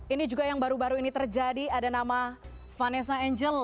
ini juga yang baru baru ini terjadi ada nama vanessa angel